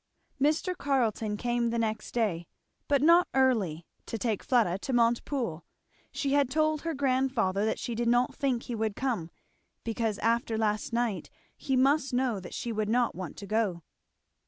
Mr. Carleton came the next day, but not early, to take Fleda to Montepoole. She had told her grandfather that she did not think he would come, because after last night he must know that she would not want to go.